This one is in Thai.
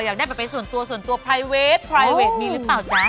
อยากได้แบบเป็นส่วนตัวส่วนตัวไพรเวทไพรเวทมีหรือเปล่าจ๊ะ